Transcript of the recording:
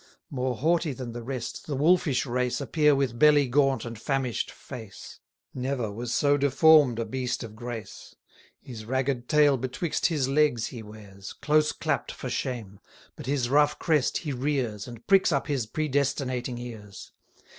More haughty than the rest, the wolfish race 160 Appear with belly gaunt and famish'd face: Never was so deform'd a beast of grace. His ragged tail betwixt his legs he wears, Close clapp'd for shame; but his rough crest he rears, And pricks up his predestinating ears.